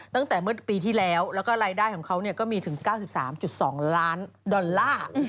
ตั้งแต่เมื่อปีที่แล้วแล้วก็รายได้ของเขาก็มีถึง๙๓๒ล้านดอลลาร์